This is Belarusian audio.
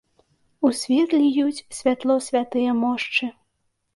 У свет ліюць святло святыя мошчы.